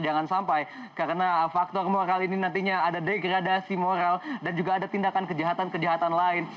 jangan sampai karena faktor moral ini nantinya ada degradasi moral dan juga ada tindakan kejahatan kejahatan lain